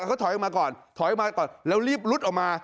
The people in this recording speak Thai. เขาถอยออกมาก่อนถอยออกมาก่อนแล้วรีบลุดออกมา